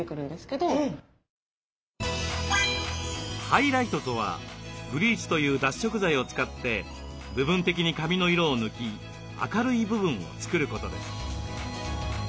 「ハイライト」とはブリーチという脱色剤を使って部分的に髪の色を抜き明るい部分を作ることです。